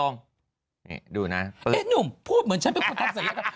นี่ดูนะปึ๊บเนี่ยนุ่มพูดเหมือนฉันเป็นคนทำสัญลักษณ์